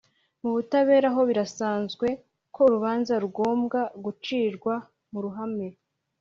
mu butabera ho birasanzwe ko urubanza rugombwa gucirwa mu ruhame.